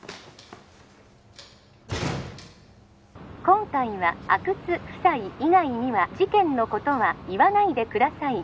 ☎今回は阿久津夫妻以外には☎事件のことは言わないでください